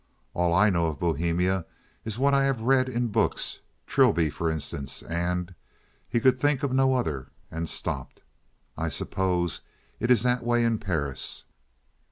"All I know of Bohemia is what I have read in books—Trilby, for instance, and—" He could think of no other, and stopped. "I suppose it is that way in Paris."